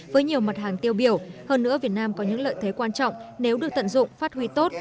với nhiều mặt hàng tiêu biểu hơn nữa việt nam có những lợi thế quan trọng nếu được tận dụng phát huy tốt